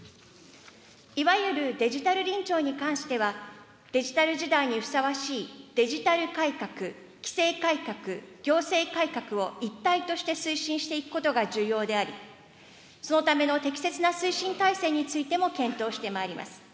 いわゆるデジタルりんちょうに関しては、デジタル時代にふさわしいデジタル改革、規制改革、行政改革を一体として推進していくことが重要であり、そのための適切な推進体制についても検討してまいります。